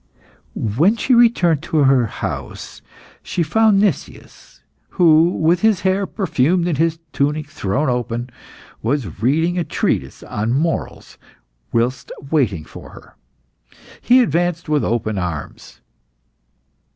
When she returned to her house, she found Nicias, who, with his hair perfumed, and his tunic thrown open, was reading a treatise on morals whilst waiting for her. He advanced with open arms.